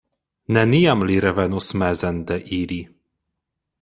Neniam li revenos mezen de ili.